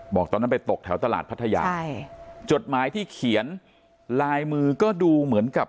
บอกตอนนั้นไปตกแถวตลาดพัทยาใช่จดหมายที่เขียนลายมือก็ดูเหมือนกับ